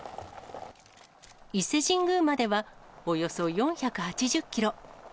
伊勢神宮までは、およそ４８０キロ。